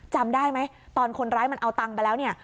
จำได้ไหมตอนคนร้ายมันเอาตังค์ไปแล้วเนี่ย